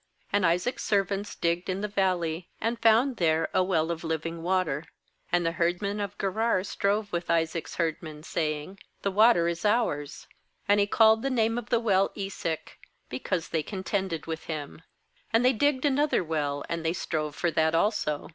19And Isaac's serv ants digged in the valley, and found there a well of living water. 20And the herdmen of Gerar strove with Isaac's herdmen, saying: 'The water is ours.' And he called the name of the well bEsek; because they con b That is, Contention. 30 GENESIS 27.12 tended with him. 2lAnd they another well, and they strove for that also.